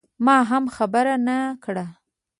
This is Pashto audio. ما هم خبر نه کړ.